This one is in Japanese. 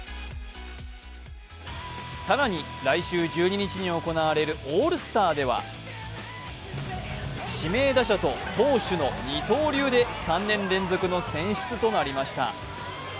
更に来週１２日に行われるオールスターでは、指名打者と投手の二刀流で３年連続の選出となりました。